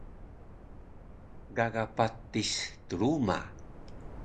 Gaga patis truma